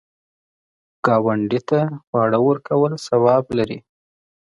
ګاونډي ته خواړه ورکول ثواب لري